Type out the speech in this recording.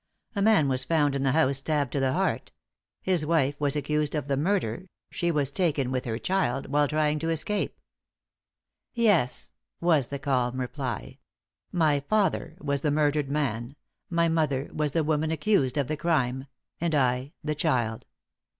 A man was found in the house stabbed to the heart; his wife was accused of the murder; she was taken, with her child, while trying to escape." "Yes," was the calm reply. "My father was the murdered man, my mother was the woman accused of the crime, and I the child."